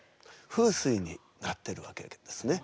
風水になってるわけですね。